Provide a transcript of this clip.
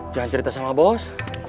jangan cerita sama bos